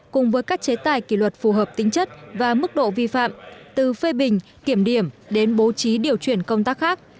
cùng với các chế tài kỷ luật phù hợp tính chất và mức độ vi phạm từ phê bình kiểm điểm đến bố trí điều chuyển công tác khác